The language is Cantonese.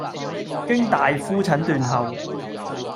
經大夫診斷後